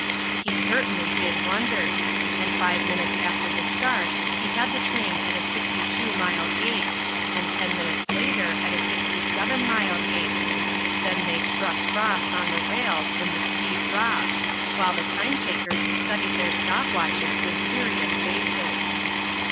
He certainly did wonders, and five minutes after the start he had the train at a 62 mile gait, and ten minutes later at a 67 mile gait. Then they struck frost on the rails and the speed dropped, while the time takers studied their stopwatches with serious faces.